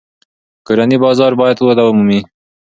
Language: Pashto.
کورني بازار باید وده ومومي.